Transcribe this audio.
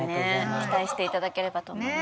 期待していただければと思います。